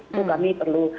itu kami perlu